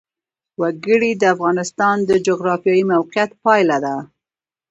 وګړي د افغانستان د جغرافیایي موقیعت پایله ده.